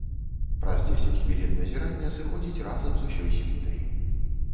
Праз дзесяць хвілін назірання сыходзіць разам з усёй світай.